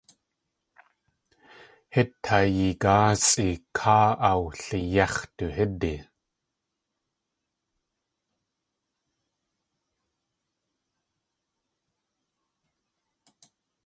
Hít tayeegáasʼi káa awliyéx̲ du hídi.